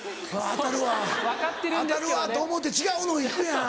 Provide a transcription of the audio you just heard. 当たると思って違うの行くやん。